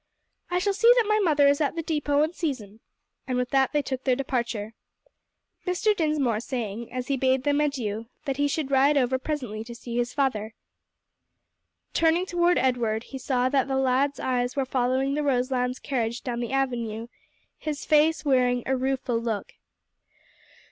"I shall see that my mother is at the depôt in season;" and with that they took their departure, Mr. Dinsmore saying, as he bade them adieu, that he should ride over presently to see his father. Turning toward Edward, he saw that the lad's eyes were following the Roselands' carriage down the avenue, his face wearing a rueful look.